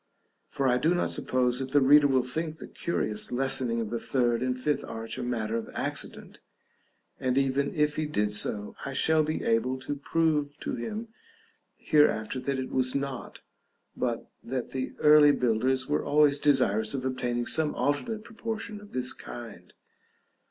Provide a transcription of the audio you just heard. For I do not suppose that the reader will think the curious lessening of the third and fifth arch a matter of accident, and even if he did so, I shall be able to prove to him hereafter that it was not, but that the early builders were always desirous of obtaining some alternate proportion of this kind.